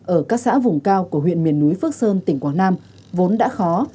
ở các xã vùng cao của huyện miền núi phước sơn tỉnh quảng nam vốn đã khó